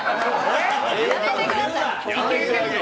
やめてください。